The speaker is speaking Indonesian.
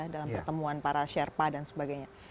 dalam pertemuan para sherpa dan sebagainya